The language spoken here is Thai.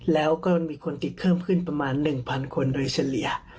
แล้วก็มีคนติดเพิ่มขึ้นประมาณ๑๐๐คนโดยเฉลี่ย